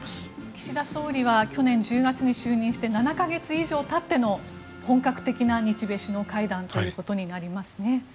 岸田総理は去年１０月に就任して７か月以上たっての本格的な日米首脳会談となりますね。